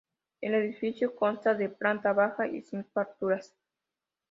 El edificio consta de planta baja y cinco alturas.